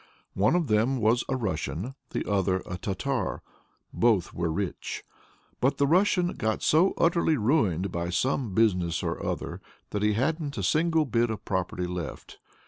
One of them was a Russian, the other a Tartar; both were rich. But the Russian got so utterly ruined by some business or other that he hadn't a single bit of property left.